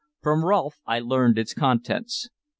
From Rolfe I learned its contents.